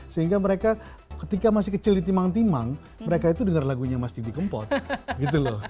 sehingga mereka ketika masih kecil ditimang timang mereka itu dengar lagunya mas didi kempot gitu loh